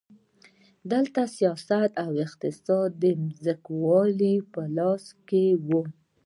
دلته سیاست او اقتصاد د ځمکوالو په لاس کې وو.